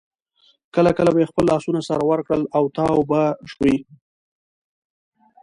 کله کله به یې خپل لاسونه سره ورکړل او تاو به شوې.